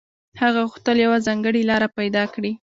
هغه غوښتل يوه ځانګړې لاره پيدا کړي.